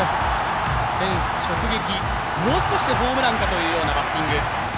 フェンス直撃、もう少しでホームランかというようなバッティング。